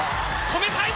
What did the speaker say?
止めたい！